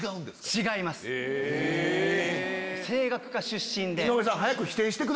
声楽科出身で。